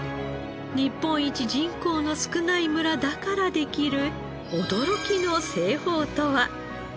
日本一人口の少ない村だからできる驚きの製法とは？